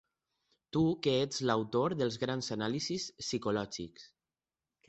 Tu que ets l'autor dels grans anàlisis psicològics